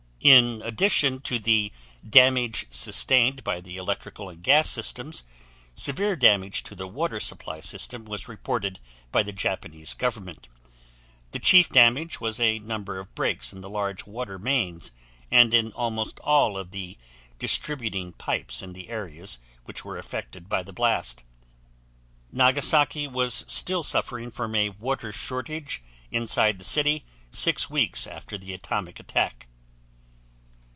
In addition to the damage sustained by the electrical and gas systems, severe damage to the water supply system was reported by the Japanese government; the chief damage was a number of breaks in the large water mains and in almost all of the distributing pipes in the areas which were affected by the blast. Nagasaki was still suffering from a water shortage inside the city six weeks after the atomic attack.